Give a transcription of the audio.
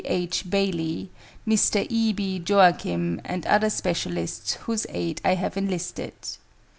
H. Bailey, Mr. E. B. Joachim and other specialists whose aid I have enlisted.